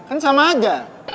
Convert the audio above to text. kan sama aja